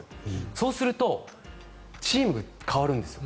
そうするとチームが変わるんですよ。